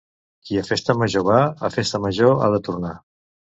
Qui a festa major va, a festa major ha de tornar.